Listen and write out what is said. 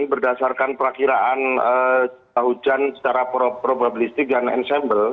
berdasarkan perakiraan hujan secara probabilistik dan ensemble